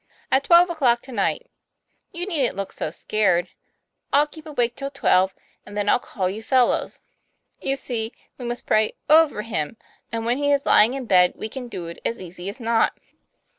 "At twelve o'clock to night. You needn't look so scared. I'll keep awake till twelve, and then I'll call you fellows. You see, we must pray over him; and when he is lying in bed, we can do it as easy as not.